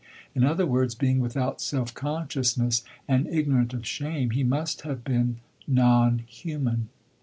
In other words, being without self consciousness and ignorant of shame, he must have been non human.